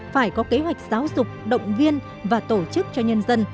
phải có kế hoạch giáo dục động viên và tổ chức cho nhân dân